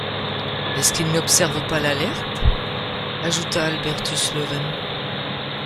Est-ce qu’ils n’observent pas l’Alert ?... ajouta Albertus Leuwen.